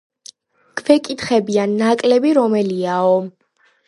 გვეკითხებიან ნაკლები რომელიაო.